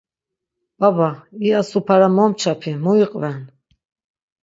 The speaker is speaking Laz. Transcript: Baba, iya supara momçapi mu iqven?